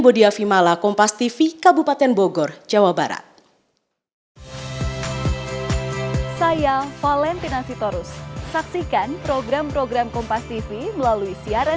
bodia vimalah kompas tv kabupaten bogor